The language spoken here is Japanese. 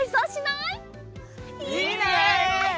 いいね！